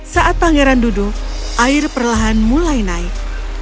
saat pangeran duduk air perlahan mulai naik